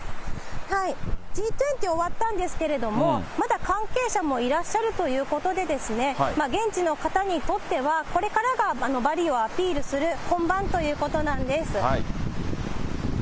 Ｇ２０終わったんですけれども、まだ関係者もいらっしゃるということで、現地の方にとっては、これからがバリをアピールする本番ということなんです。